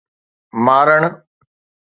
مارڻ